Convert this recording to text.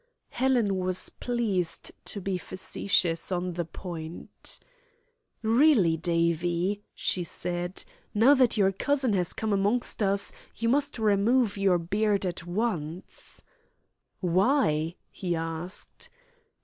Helen was pleased to be facetious on the point. "Really, Davie," she said, "now that your cousin has come amongst us, you must remove your beard at once." "Why?" he asked.